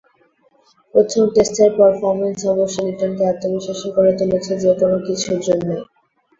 প্রথম টেস্টের পারফরম্যান্স অবশ্য লিটনকে আত্মবিশ্বাসী করে তুলেছে যেকোনো কিছুর জন্যই।